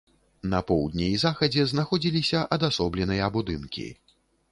На поўдні і захадзе знаходзіліся адасобленыя будынкі.